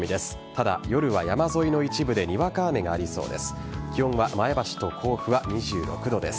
ただ、夜は山沿いの一部でにわか雨がありそうです。